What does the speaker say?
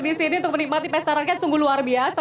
di sini untuk menikmati pesta rakyat sungguh luar biasa